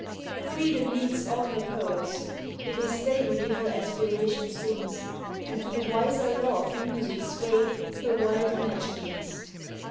Freedom needs all her poets: it is they Who give her aspirations wings, And to the wiser law of music sway Her wild imaginings.